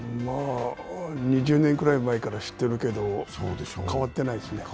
２０年ぐらい前から知ってるけど、変わってないですね。